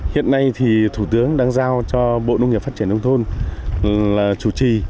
hiện nay thì thủ tướng đang giao cho bộ nông nghiệp phát triển nông thôn là chủ trì